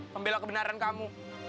pembela kebenaran kamu